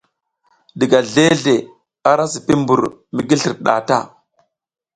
Diga zleʼzle ara sipi mbur mi gi slir nɗah ta.